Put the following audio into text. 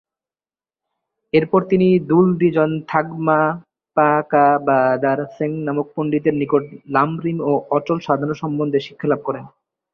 এরপর তিনি 'দুল-'দ্জিন-থাগ-মা-পা-কা-বা-দার-সেং নামক পণ্ডিতের নিকট লাম-রিম ও অচল সাধনা সম্বন্ধে শিক্ষালাভ করেন।